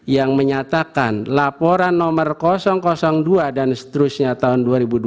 yang menyatakan laporan nomor dua dan seterusnya tahun dua ribu dua puluh